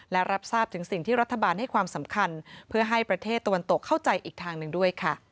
และรับทราบถึงสิ่งที่รัฐบาลให้ความสำคัญเพื่อให้ประเทศตะวันตกเข้าใจอีกทางหนึ่งด้วยค่ะ